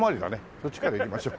そっちから行きましょう。